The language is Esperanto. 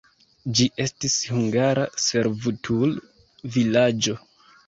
Ĝi estis hungara servutul-vilaĝo.